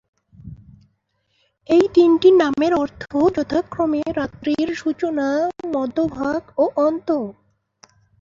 এই তিনটি নামের অর্থ যথাক্রমে রাত্রির সূচনা, মধ্যভাগ ও অন্ত।